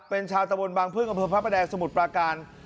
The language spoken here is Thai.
เป็นชาวตะวนบางเพื่อนกับพระพระแดกสมุทรปราการ